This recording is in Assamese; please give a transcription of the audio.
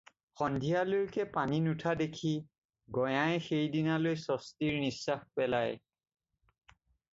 সন্ধিয়ালৈকে পানী নুঠা দেখি গঞাই সেইদিনালৈ স্বস্তিৰ নিশ্বাস পেলায়।